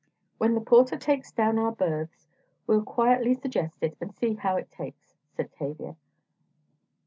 "When the porter takes down our berths, we'll quietly suggest it, and see how it takes," said Tavia.